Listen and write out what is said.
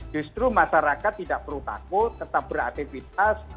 justru masyarakat tidak perlu takut tetap beraktivitas